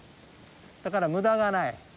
だから無駄がない。